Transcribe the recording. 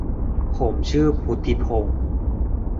ผมชื่อพุฒิพงศ์